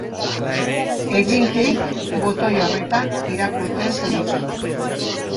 Egin klik botoi horretan irakurtzen segitzeko.